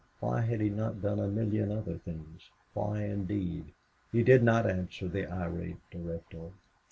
Why had he not done a million other things? Why, indeed! He did not answer the irate director.